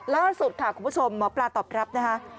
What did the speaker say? ล่าสุดค่ะคุณผู้ชมหมอปลาตอบรับนะคะ